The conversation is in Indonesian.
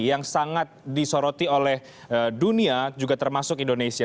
yang sangat disoroti oleh dunia juga termasuk indonesia